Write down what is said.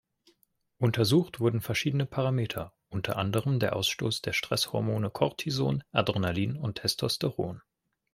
Untersucht wurden verschiedene Parameter; unter anderem der Ausstoß der Stresshormone Cortison, Adrenalin und Testosteron.